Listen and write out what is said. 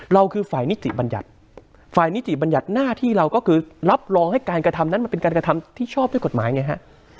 คือฝ่ายนิติบัญญัติฝ่ายนิติบัญญัติหน้าที่เราก็คือรับรองให้การกระทำนั้นมันเป็นการกระทำที่ชอบด้วยกฎหมายไงฮะ